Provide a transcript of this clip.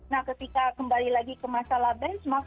nah ketika kembali lagi ke masalah benchmark